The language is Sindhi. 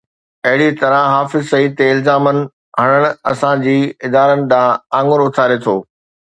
اهڙي طرح حافظ سعيد تي الزام هڻڻ اسان جي ادارن ڏانهن آڱر اُٿاري ٿو.